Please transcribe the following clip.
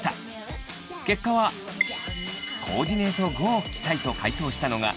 結果はコーディネート後を着たいと回答したのが７５％。